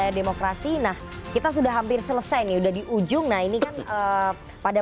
nah berbagi tentang umat beragama